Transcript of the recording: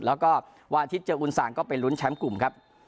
แล้วก็วันอาทิตย์เจออุณสางก็ไปลุ้นแชมป์กลุ่มครับ